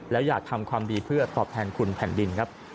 แล้วอยากทำความดีเพื่อตอบแทนคุณแผ่นดินครับ